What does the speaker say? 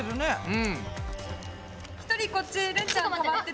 うん。